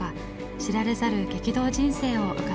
知られざる激動人生を伺うことに。